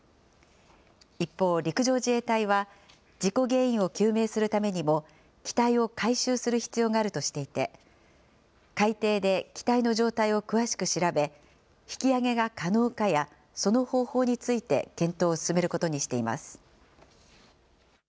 一方、陸上自衛隊は、事故原因を究明するためにも、機体を回収する必要があるとしていて、海底で機体の状態を詳しく調べ、引き揚げが可能かや、その方法について、検討を進めることにしています。